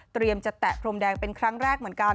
จะแตะพรมแดงเป็นครั้งแรกเหมือนกัน